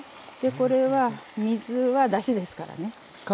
これは水はだしですからね。